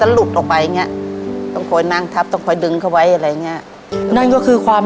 ทับผลไม้เยอะเห็นยายบ่นบอกว่าเป็นยังไงครับ